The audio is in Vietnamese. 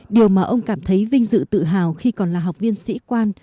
điều mà ông cảm thấy vinh dự tự hào khi còn là học viên sĩ quan